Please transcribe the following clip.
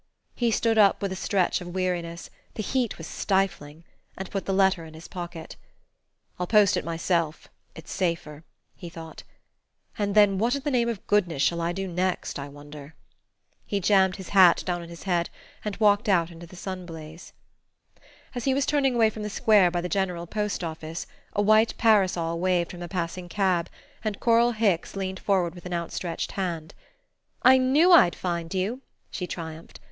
He stood up with a stretch of weariness the heat was stifling! and put the letter in his pocket. "I'll post it myself, it's safer," he thought; "and then what in the name of goodness shall I do next, I wonder?" He jammed his hat down on his head and walked out into the sun blaze. As he was turning away from the square by the general Post Office, a white parasol waved from a passing cab, and Coral Hicks leaned forward with outstretched hand. "I knew I'd find you," she triumphed.